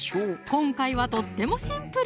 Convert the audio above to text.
今回はとってもシンプル！